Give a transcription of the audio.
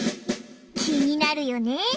気になるよね！